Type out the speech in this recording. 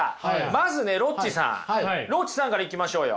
まずねロッチさんロッチさんからいきましょうよ。